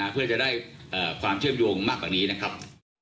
เพื่อจะได้ความเชื่อมโยงมากกว่านี้นะครับ